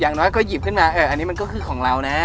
น้อยก็หยิบขึ้นมาอันนี้มันก็คือของเรานะ